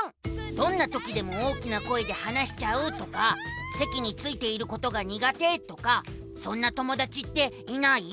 「どんなときでも大きな声で話しちゃう」とか「せきについていることが苦手」とかそんな友だちっていない？